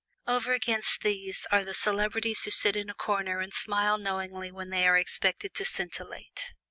Over against these are the celebrities who sit in a corner and smile knowingly when they are expected to scintillate.